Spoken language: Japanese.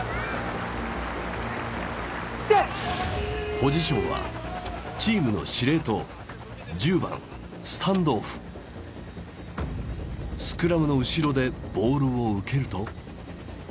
ポジションはチームの司令塔１０番スクラムの後ろでボールを受けると。